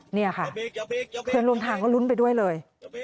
นี่ค่ะเพื่อนร่วมทางก็ลุ้นไปด้วยเลย